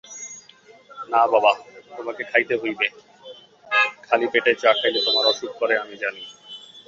না বাবা, তোমাকে খাইতে হইবে–খালি-পেটে চা খাইলে তোমার অসুখ করে আমি জানি।